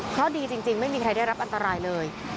เพราะดีจริงไม่มีใครได้รับอันตรายเลย